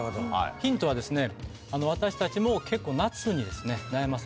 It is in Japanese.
ヒントは私たちも結構夏に悩まされるような。